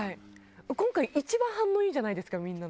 今回一番反応いいじゃないですかみんなの。